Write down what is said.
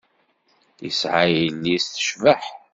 Yesɛa yelli-s tecbeḥ.